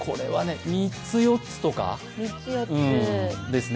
３つ、４つとかですね。